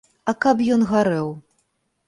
А каб ён гарэў!